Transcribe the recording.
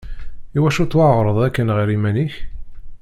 Iwacu tweεreḍ akken ɣer yiman-ik?